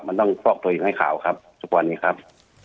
มันต้องฟอกตัวเองให้ขาวครับทุกวันนี้ครับ